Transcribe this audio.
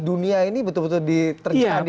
dunia ini betul betul diterjangki